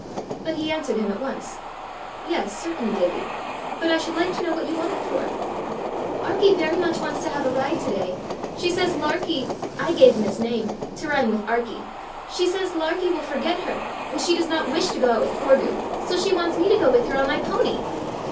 But he answered him at once. "Yes, certainly, Davie. But I should like to know what you want it for." "Arkie wants very much to have a ride to day. She says Larkie I gave him his name, to rime with Arkie she says Larkie will forget her, and she does not wish to go out with Forgue, so she wants me to go with her on my pony."